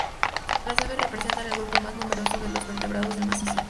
Las aves representan el grupo más numeroso de los vertebrados del macizo.